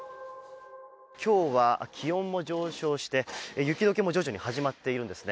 今日は気温も上昇して雪解けも徐々に始まっているんですね。